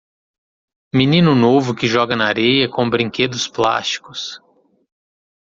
Menino novo que joga na areia com brinquedos plásticos.